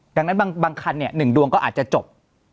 ดังนั้นบางคัน๑ดวงก็อาจจะจบ